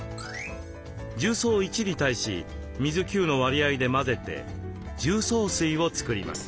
重曹１に対し水９の割合で混ぜて重曹水を作ります。